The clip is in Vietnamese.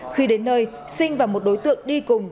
khi đến nơi sinh và một đối tượng đi cùng